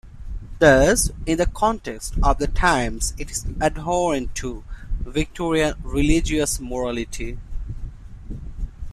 Thus, in the context of the times, it is abhorrent to Victorian religious morality.